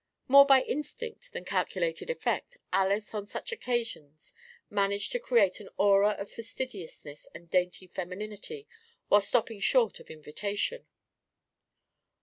More by instinct than calculated effect Alys on such occasions managed to create an aura of fastidious and dainty femininity while stopping short of invitation.